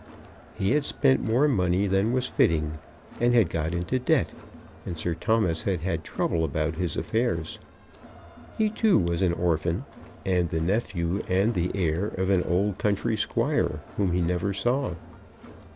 He had spent more money than was fitting, and had got into debt, and Sir Thomas had had trouble about his affairs. He too was an orphan, and the nephew and the heir of an old country squire whom he never saw.